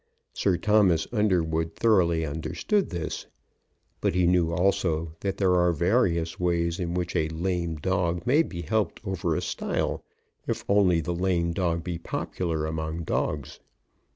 Sir Thomas Underwood thoroughly understood this; but he knew also that there are various ways in which a lame dog may be helped over a stile, if only the lame dog be popular among dogs.